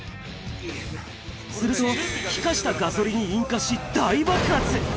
すると、気化したガソリンに引火し大爆発。